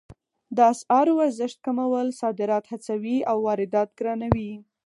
د اسعارو ارزښت کمول صادرات هڅوي او واردات ګرانوي